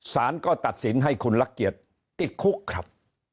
สารก็ตัดสินให้คุณลักเกียรติติดคุกครับ